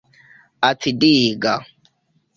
Acidiga.